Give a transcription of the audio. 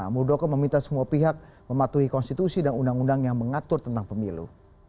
muldoko meminta semua pihak mematuhi konstitusi dan undang undang yang mengatur tentang pemilu